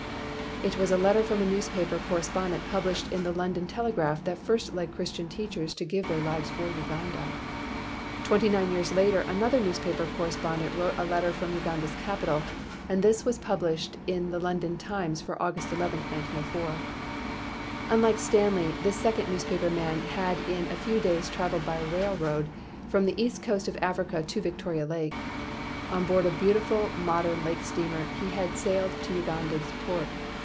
It was a letter from a newspaper corre spondent published in the London Tele graph that first led Christian teachers to give their lives for Uganda. Twenty nine years later another newspaper correspond ent wrote a letter from Uganda's capital, and this was published in the London Times for August 11, 1904. Unlike Stanley, this second newspaper man had in a few days traveled by railroad from the east coast of Africa to Victoria Lake. On board a beau tiful modern lake steamer, he had sailed to Uganda's port.